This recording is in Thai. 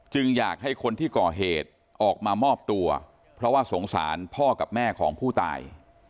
อยากให้คนที่ก่อเหตุออกมามอบตัวเพราะว่าสงสารพ่อกับแม่ของผู้ตาย